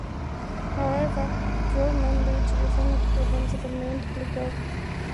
However, dual mandates within a province remained legal.